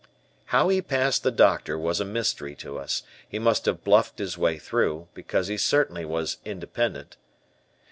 How he passed the doctor was a mystery to us, he must have bluffed his way through, because he certainly was independent.